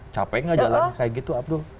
capek nggak jalan kayak gitu abdul